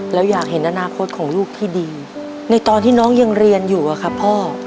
แล้วอยากเห็นอนาคตของลูกที่ดีในตอนที่น้องยังเรียนอยู่อะครับพ่อ